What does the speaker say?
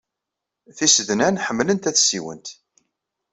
Tisednan ḥemmlent ad ssiwent.